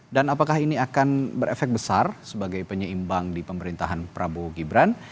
apakah ini akan berefek besar sebagai penyeimbang di pemerintahan prabowo gibran